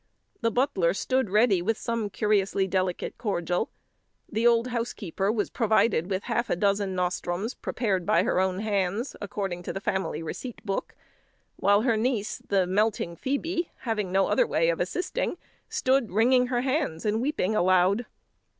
The butler stood ready with some curiously delicate cordial; the old housekeeper was provided with half a dozen nostrums, prepared by her own hands, according to the family receipt book; while her niece, the melting Phoebe, having no other way of assisting, stood wringing her hands and weeping aloud.